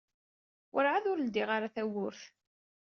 Werɛad ur ldiyeɣ ara tawwurt.